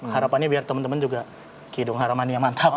harapannya biar temen temen juga kidung hara mania mantap